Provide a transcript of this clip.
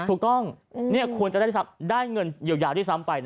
ถูกต้องควรจะได้เงินยาวที่ซ้ำไป